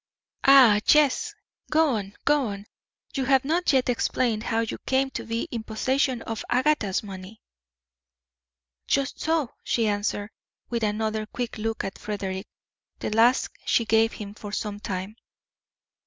"Ah, yes; go on, go on. You have not yet explained how you came to be in possession of Agatha's money." "Just so," she answered, with another quick look at Frederick, the last she gave him for some time.